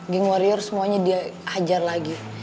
ging warrior semuanya dia hajar lagi